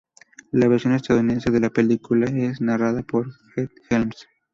La versión estadounidense de la película es narrada por Ed Helms.